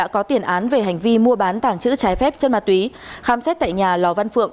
có nguyên án về hành vi mua bán tàng trữ trái phép chất ma túy khám xét tại nhà lò văn phượng